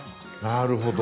なるほど。